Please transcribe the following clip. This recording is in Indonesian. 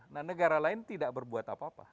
nah negara lain tidak berbuat apa apa